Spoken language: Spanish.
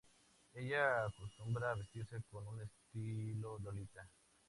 Ella acostumbra vestirse con un estilo Lolita.